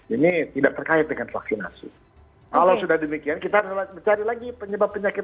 ini tidak terkait dengan vaksinasi kalau sudah demikian kita harus mencari lagi penyebab penyakit